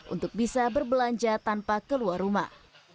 untuk bisa berbelanja tanpa keluar rumah